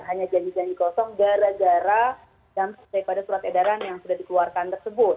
hanya janji janji kosong gara gara dampak daripada surat edaran yang sudah dikeluarkan tersebut